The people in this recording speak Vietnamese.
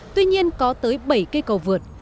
tuy nhiên có tới bảy cây cầu vượt